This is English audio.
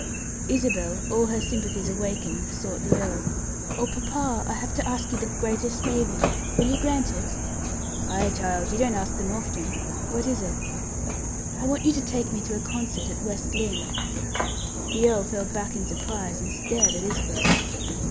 Isabel, all her sympathies awakened, sought the earl. "Oh, papa! I have to ask you the greatest favor. Will you grant it?" "Ay, child, you don't ask them often. What is it?" "I want you to take me to a concert at West Lynne." The earl fell back in surprise, and stared at Isabel.